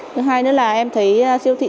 thứ hai nữa là em thấy siêu thị